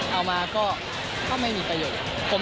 เอามาก็ไม่มีประโยชน์